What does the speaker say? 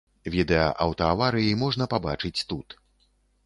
Відэа аўтааварыі можна пабачыць тут.